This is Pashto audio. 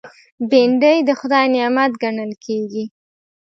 بېنډۍ د خدای نعمت ګڼل کېږي